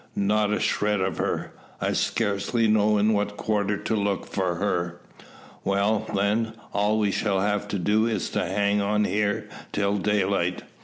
"Not a shred of her. I scarcely know in what quarter to look for her." "Well, then, all we shall have to do is to hang on here till daylight.